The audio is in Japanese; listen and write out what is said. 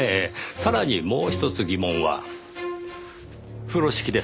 さらにもうひとつ疑問は風呂敷です。